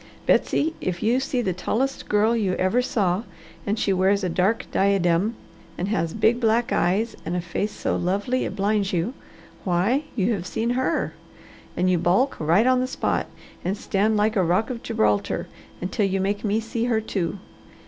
Betsy, if you see the tallest girl you ever saw, and she wears a dark diadem, and has big black eyes and a face so lovely it blinds you, why you have seen Her, and you balk, right on the spot, and stand like the rock of Gibraltar, until you make me see her, too.